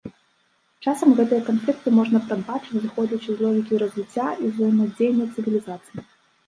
Часам гэтыя канфлікты можна прадбачыць зыходзячы з логікі развіцця і ўзаемадзеяння цывілізацый.